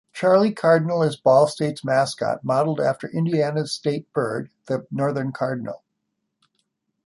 Charlie Cardinal is Ball State's mascot, modeled after Indiana's state bird, the northern cardinal.